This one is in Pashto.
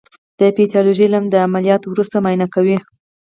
د پیتالوژي علم د عملیاتو وروسته معاینه کوي.